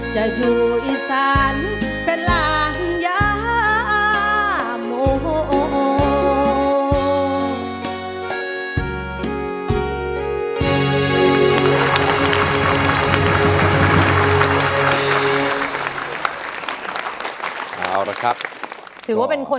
จะอยู่อีสานเป็นรางยาม